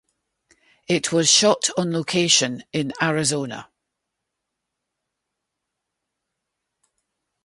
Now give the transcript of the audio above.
It was shot on location in Arizona.